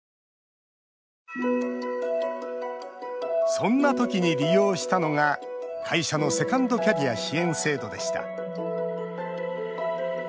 そんな時に利用したのが会社のセカンドキャリア支援制度でした。